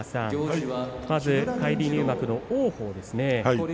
まず返り入幕の王鵬です。